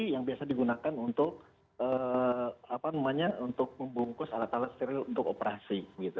yang biasa digunakan untuk membungkus alat alat steril untuk operasi